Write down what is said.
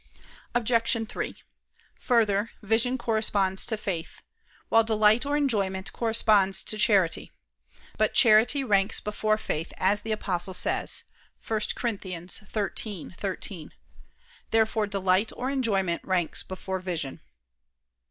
Obj. 3: Further, vision corresponds to faith; while delight or enjoyment corresponds to charity. But charity ranks before faith, as the Apostle says (1 Cor. 13:13). Therefore delight or enjoyment ranks before vision.